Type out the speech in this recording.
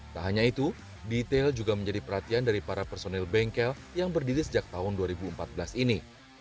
tak hanya itu detail juga menjadi perhatian dari para personil bengkel yang berdiri sejak tahun dua ribu empat belas ini